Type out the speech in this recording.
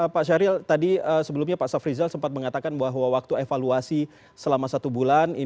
pak syahril tadi sebelumnya pak safrizal sempat mengatakan bahwa waktu evaluasi selama satu bulan